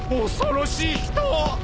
恐ろしい人！